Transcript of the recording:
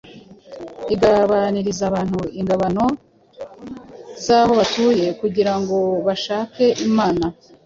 igabaniriza abantu ingabano z’aho batuye, kugira ngo bashake Imana,